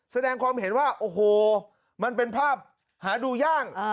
แสดงความเห็นว่าโอ้โหมันเป็นภาพหาดูยาก